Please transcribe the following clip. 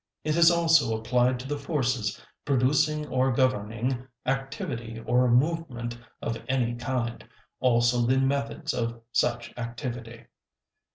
It is also applied to the forces producing or governing activity or movement of any kind; also the methods of such activity."